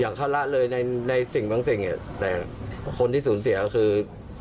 เข้าละเลยในสิ่งบางสิ่งแต่คนที่สูญเสียคือ